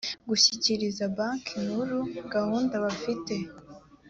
gushyikiriza banki nkuru gahunda bafite